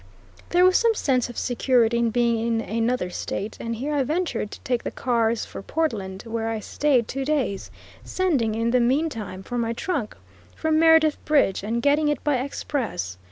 There was some sense of security in being in another State, and here I ventured to take the cars for Portland, where I staid two days, sending in the meantime for my trunk from Meredith Bridge, and getting it by express.